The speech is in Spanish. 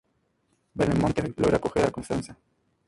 Belmonte logra coger a Constanza.